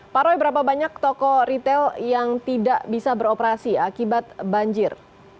pak roy berapa banyak toko retail yang tidak bisa beroperasi akibat banjir